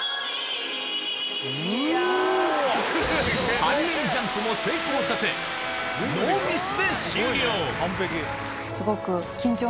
背面ジャンプも成功させノーミスですごく。